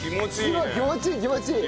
すごい気持ちいい気持ちいい。